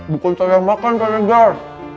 bukan saya yang makan pak regar